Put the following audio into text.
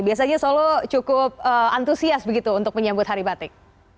biasanya solo cukup antusias begitu untuk menyambut hari batik